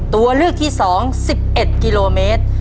ตัวเลือกที่๒๑๑กิโลเมตร